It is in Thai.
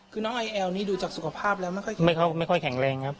คือน้องไอแอลนี่ดูจากสุขภาพแล้วไม่ค่อยแข็งแรงครับ